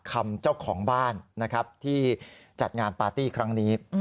คำเจ้าของบ้านนะครับที่จัดงานปาร์ตี้ครั้งนี้